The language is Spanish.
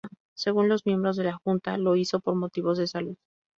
Según los miembros de la junta, lo hizo por motivos de salud.